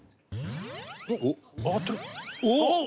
おっ！